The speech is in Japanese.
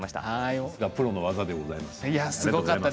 プロの技でございました。